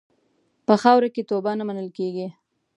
په خاوره کې توبه نه منل کېږي.